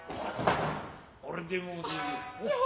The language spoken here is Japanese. これでもう十分。